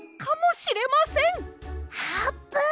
あーぷん！